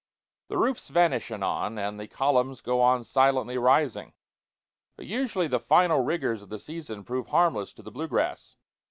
The roofs vanish anon, and the columns go on silently rising. But usually the final rigors of the season prove harmless to the blue grass.